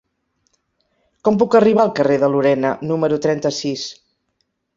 Com puc arribar al carrer de Lorena número trenta-sis?